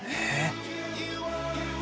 えっ。